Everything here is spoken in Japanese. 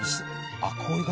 あっこういう感じ。